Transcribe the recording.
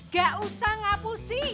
gak usah ngapusi